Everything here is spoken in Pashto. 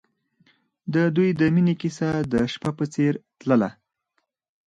د دوی د مینې کیسه د شپه په څېر تلله.